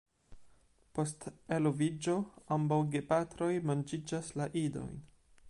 Post eloviĝo ambaŭ gepatroj manĝigas la idojn.